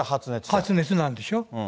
発熱なんでしょ。